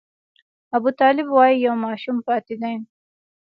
ابوطالب وايي یو ماشوم پاتې دی.